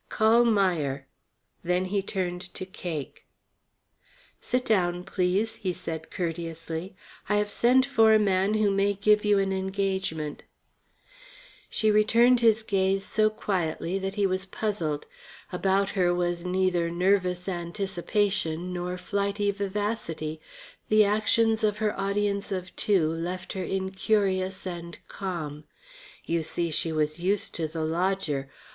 Call Meier." Then he turned to Cake. "Sit down, please," he said courteously. "I have sent for a man who may give you an engagement." She returned his gaze so quietly that he was puzzled. About her was neither nervous anticipation nor flighty vivacity. The actions of her audience of two left her in curious and calm. You see, she was used to the lodger.